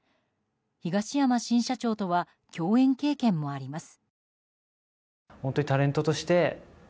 東山新社長とは共演経験もあります。